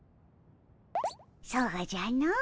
そうじゃの。